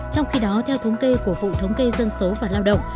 trong khi đó theo thống kê của vụ thống kê dân số và lao động